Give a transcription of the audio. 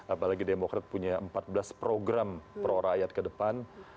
apalagi demokrat punya empat belas program pro rakyat kedepan